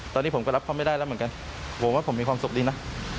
ตอนนี้ผมก็รับเขาไม่ได้แล้วเหมือนกันผมว่าผมมีความสุขดีนะ